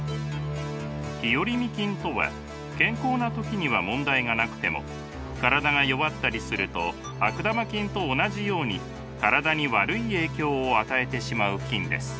日和見菌とは健康な時には問題がなくても体が弱ったりすると悪玉菌と同じように体に悪い影響を与えてしまう菌です。